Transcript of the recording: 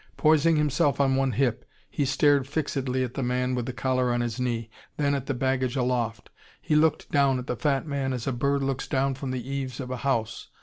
Poising himself on one hip, he stared fixedly at the man with the collar on his knee, then at the baggage aloft. He looked down at the fat man as a bird looks down from the eaves of a house.